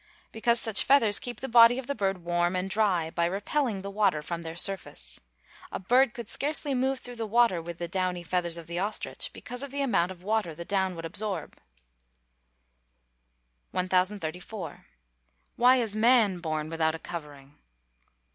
_ Because such feathers keep the body of the bird warm and dry, by repelling the water from their surface. A bird could scarcely move through the water, with the downy feathers of the ostrich, because of the amount of water the down would absorb. 1034. _Why is man born without a covering?